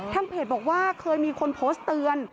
เพจบอกว่าเคยมีคนโพสต์เตือน